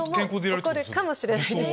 起こるかもしれないです